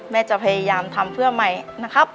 แม่จะพยายามทำเพื่อใหม่นะครับ